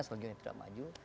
selagi tidak maju